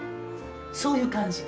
そういう感じ。